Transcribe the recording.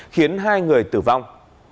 khiến hai người tử vong